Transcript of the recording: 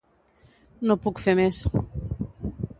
No puc fer més.